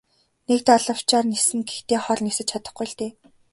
Нэг далавчаар ниснэ гэхдээ хол нисэж чадахгүй л дээ.